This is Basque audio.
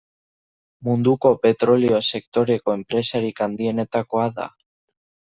Munduko petrolio sektoreko enpresarik handienetakoa da.